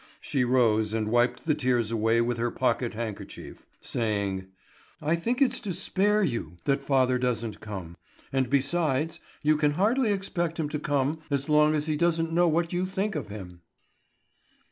She rose, and wiped the tears away with her pocket handkerchief, saying: "I think it's to spare you that father doesn't come. And besides, you can hardly expect him to come as long as he doesn't know what you think of him."